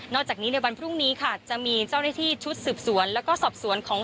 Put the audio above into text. จากนี้ในวันพรุ่งนี้ค่ะจะมีเจ้าหน้าที่ชุดสืบสวนแล้วก็สอบสวนของ